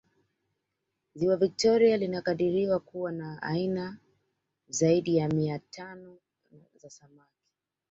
Ziwa Victoria linakadiriwa kuwa na aina zaidi ya mia tano za samaki